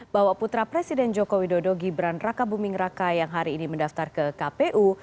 bahwa putra presiden joko widodo gibran raka buming raka yang hari ini mendaftar ke kpu